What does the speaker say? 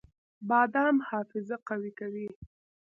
بادام حافظه قوي کوي